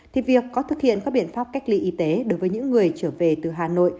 thì việc có thực hiện các biện pháp cách ly y tế đối với những người trở về từ hà nội